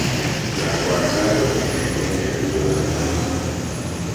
Yafuatayo ni maeneo yaliyo na madini